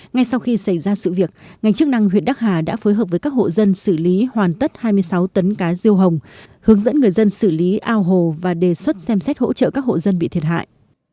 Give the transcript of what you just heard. ngay sau khi xảy ra sự việc ngành chức năng huyện đắc hà đã phối hợp với các hộ dân xử lý hoàn tất hai mươi sáu tấn cá riêu hồng hướng dẫn người dân xử lý ao hồ và đề xuất xem xét hỗ trợ các hộ dân bị thiệt hại